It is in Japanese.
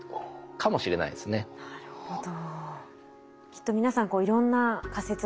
なるほど。